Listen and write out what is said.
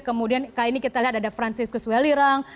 kemudian kali ini kita lihat ada franciscus welirang